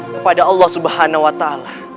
kepada allah subhanahu wa ta'ala